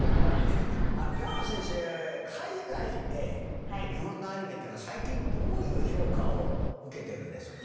ジャーマン先生、海外で日本のアニメっていうのは最近、どういう評価を受けているんですか？